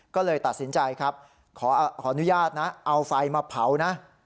ก็เลยตัดสินใจครับขออนุญาตนะเอาไฟมาเผานะ